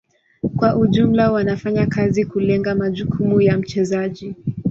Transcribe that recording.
Kwa ujumla wanafanya kazi kulenga majukumu ya mchezaji.